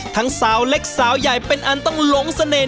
สาวเล็กสาวใหญ่เป็นอันต้องหลงเสน่ห